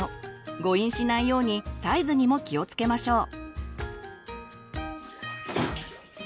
誤飲しないようにサイズにも気をつけましょう。